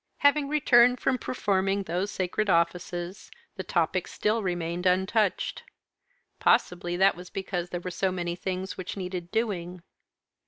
Having returned from performing those sacred offices, the topic still remained untouched. Possibly that was because there were so many things which needed doing.